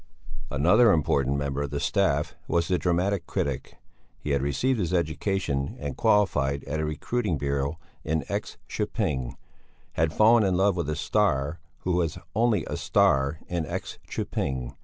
Another important member of the staff was the dramatic critic. He had received his education and qualified at a recruiting bureau in X köping; had fallen in love with a "star" who was only a "star" in X köping.